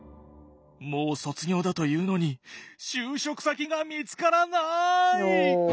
もう卒業だというのに就職先が見つからない！